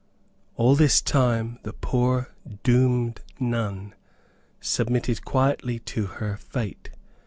All this time the poor doomed nun submitted quietly to her fate.